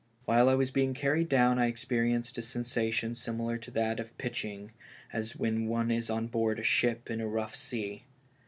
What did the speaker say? While I was being carried down, I experienced a sen sation similar to that of pitching, as when one is on board a ship in a rough sea.